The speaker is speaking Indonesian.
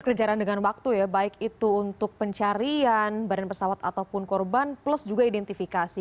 berkejaran dengan waktu ya baik itu untuk pencarian badan pesawat ataupun korban plus juga identifikasi